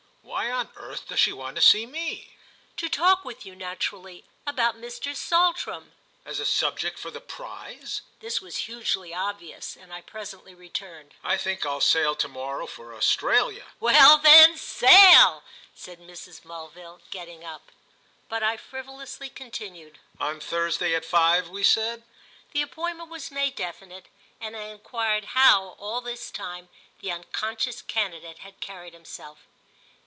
"Why on earth does she want to see me?" "To talk with you, naturally, about Mr. Saltram." "As a subject for the prize?" This was hugely obvious, and I presently returned: "I think I'll sail to morrow for Australia." "Well then—sail!" said Mrs. Mulville, getting up. But I frivolously, continued. "On Thursday at five, we said?" The appointment was made definite and I enquired how, all this time, the unconscious candidate had carried himself.